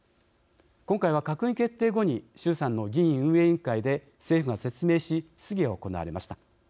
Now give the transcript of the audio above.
今回は、閣議決定後に衆参の議員運営委員会で政府が説明し質疑が行われました。